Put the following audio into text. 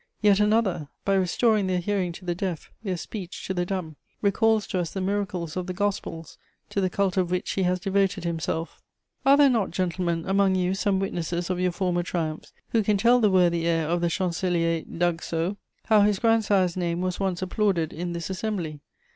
Yet another, by restoring their hearing to the deaf, their speech to the dumb, recalls to us the miracles of the Gospels, to the cult of which he has devoted himself. Are there not, gentlemen, among you some witnesses of your former triumphs who can tell the worthy heir of the Chancelier d'Aguesseau how his grandsire's name was once applauded in this assembly?